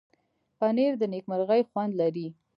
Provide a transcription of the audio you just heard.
پنېر د نېکمرغۍ خوند لري.